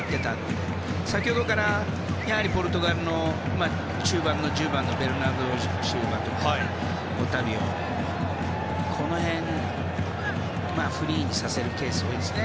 先ほどからポルトガルの中盤の１０番のベルナルド・シウバとかオタビオこの辺をフリーにさせるケースが多いですね。